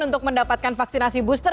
untuk mendapatkan vaksinasi booster